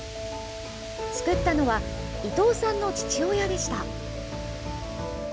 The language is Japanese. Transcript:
作ったのは、伊藤さんの父親でした。